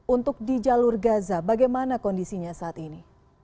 untuk di jalur gaza bagaimana kondisinya saat ini